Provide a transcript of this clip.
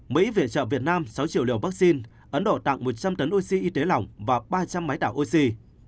mỹ viện trợ việt nam sáu triệu liều vaccine ấn độ tặng một trăm linh tấn oxy y tế lỏng và ba trăm linh máy đảo oxy